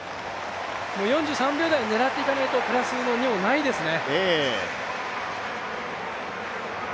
４３秒台を狙っていかないと、プラスの２はないですね。